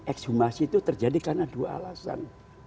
ekshumasi itu terjadi karena dua alasan